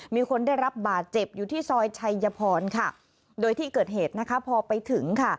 มีคนได้รับบาดเจ็บอยู่ที่ซอยชายพรโดยที่เกิดเหตุพอไปถึง